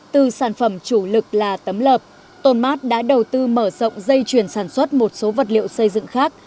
từ sản phẩm chủ lực là tấm lợp tôn mát đã đầu tư mở rộng dây chuyển sản xuất một số vật liệu xây dựng khác